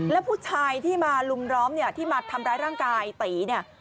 แล้วผู้ชายที่มาลุมล้อมเนี่ยที่มาทำร้ายร่างกายตีเนี่ย